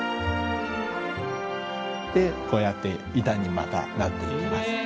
でこうやって板にまたなっていきます。